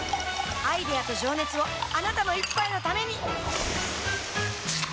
アイデアと情熱をあなたの一杯のためにプシュッ！